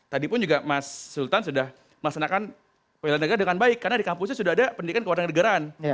tadi pun juga mas sultan sudah melaksanakan pilihan negara dengan baik karena di kampusnya sudah ada pendidikan kewarganegaraan